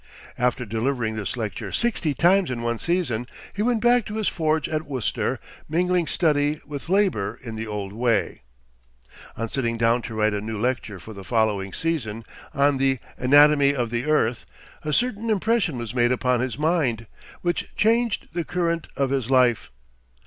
After delivering this lecture sixty times in one season, he went back to his forge at Worcester, mingling study with labor in the old way. On sitting down to write a new lecture for the following season, on the "Anatomy of the Earth," a certain impression was made upon his mind, which changed the current of his life.